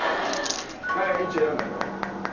１選んだ方は？